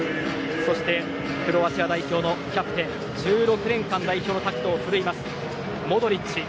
そしてクロアチア代表のキャプテン１６年間代表のタクトを振るいますモドリッチ。